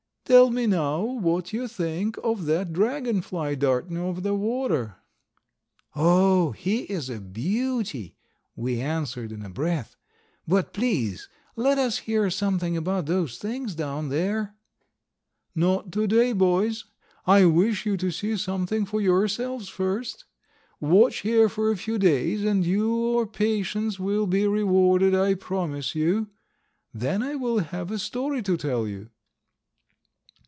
"Tell me now what you think of that Dragon fly darting over the water?" "Oh, he is a beauty," we answered in a breath. "But please let us hear something about those things down there." "Not to day, boys. I wish you to see something for yourselves first. Watch here for a few days and your patience will be rewarded, I promise you. Then I will have a story to tell you."